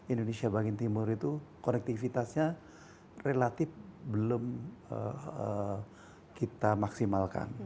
indonesia bagian timur itu konektivitasnya relatif belum kita maksimalkan